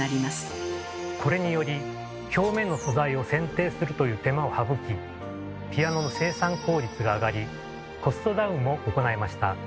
これにより表面の素材を選定するという手間を省きピアノの生産効率が上がりコストダウンも行えました。